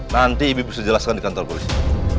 nanti ibu bisa jelaskan di kantor polisi